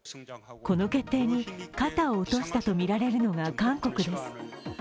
この決定に肩を落としたとみられるのが韓国です。